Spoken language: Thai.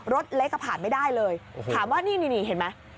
รถเล็กผ่านไม่ได้เลยถามว่านี่เห็นไหม